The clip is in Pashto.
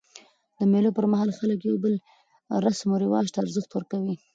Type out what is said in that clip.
د مېلو پر مهال خلک د یو بل رسم و رواج ته ارزښت ورکوي.